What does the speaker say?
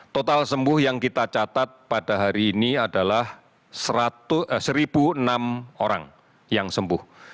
total sembuh yang kita catat pada hari ini adalah satu enam orang yang sembuh